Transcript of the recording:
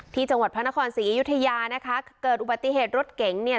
ที่จังหวัดพระนครศรีอยุธยานะคะเกิดอุบัติเหตุรถเก๋งเนี่ย